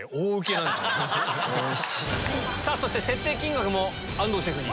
そして設定金額も安藤シェフに。